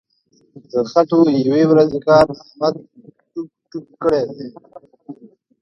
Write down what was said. د خټو یوې ورځې کار احمد ټوک ټوک کړی دی.